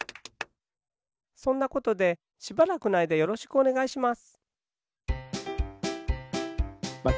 そんなことでしばらくのあいだよろしくおねがいします。